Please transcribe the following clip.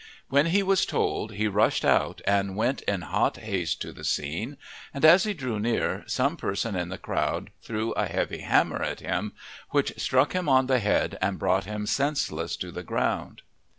When he was told he rushed out and went in hot haste to the scene, and as he drew near some person in the crowd threw a heavy hammer at him, which struck him on the head and brought him senseless to the ground.